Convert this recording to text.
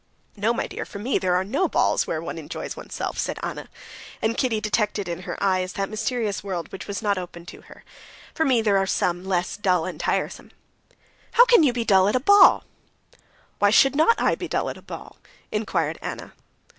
"No, my dear, for me there are no balls now where one enjoys oneself," said Anna, and Kitty detected in her eyes that mysterious world which was not open to her. "For me there are some less dull and tiresome." "How can you be dull at a ball?" "Why should not I be dull at a ball?" inquired Anna.